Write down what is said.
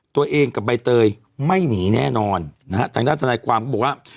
ตัวเองกับใบเตยไม่หนีแน่นอนนะฮะฐธความก็บอกว่า